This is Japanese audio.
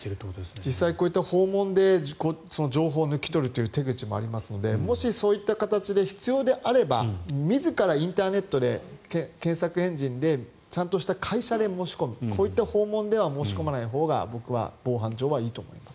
実際、こういった訪問で情報を抜き取る手口もありますのでもし、そういった形で必要であれば自らインターネットで検索エンジンでちゃんとした会社で申し込むこういった訪問で申し込まないほうが僕は防犯上はいいと思います。